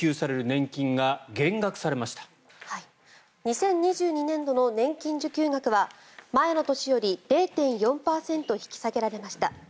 ２０２２年度の年金受給額は前の年より０．４％引き下げられました。